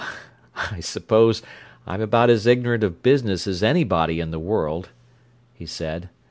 "I suppose I'm about as ignorant of business as anybody in the world," he said.